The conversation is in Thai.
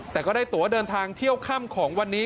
แต่ก็ได้ตัวเดินทางเที่ยวค่ำของวันนี้